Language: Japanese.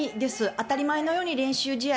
当たり前のように練習試合